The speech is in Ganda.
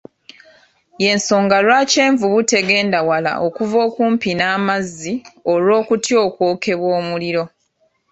Y'ensonga Iwaki envubu tegenda wala okuva okumpi n'amazzi olw'okutya okwokebwa omuliro.